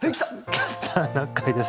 「キャスターな会」です。